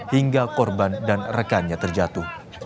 hingga korban dan rekannya terjatuh